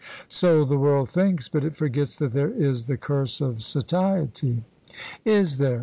"So the world thinks, but it forgets that there is the curse of satiety." "Is there?